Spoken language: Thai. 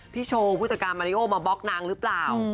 โชว์ผู้จัดการมาริโอมาบล็อกนางหรือเปล่า